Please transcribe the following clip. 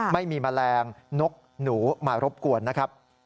แมลงนกหนูมารบกวนนะครับ